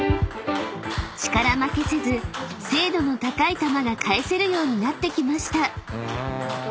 ［力負けせず精度の高い球が返せるようになってきました］